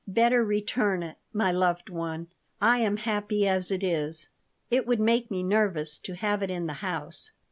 Better return it, my loved one! I am happy as it is. It would make me nervous to have it in the house."